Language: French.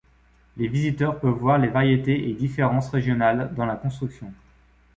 Les visiteurs peuvent voir les variétés et différences régionales dans la construction.